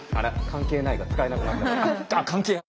「関係ない」が使えなくなったな。